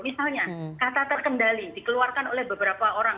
misalnya kata terkendali dikeluarkan oleh beberapa orang